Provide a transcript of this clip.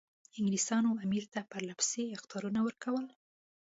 انګلیسانو امیر ته پرله پسې اخطارونه ورکول.